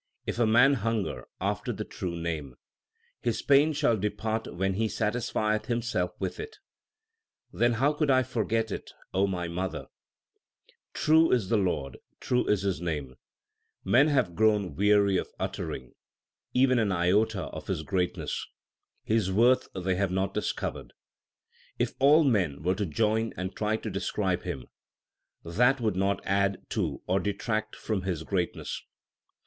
If a man hunger after the true Name, His pain shall depart when he satisfieth himself with it. 2 Then how could I forget it, O my mother ? True is the Lord, true is His name ; Men have grown weary of uttering Even an iota of His greatness ; His worth they have not discovered. If all men were to join and try to describe Him, That would not add to or detract from His greatness.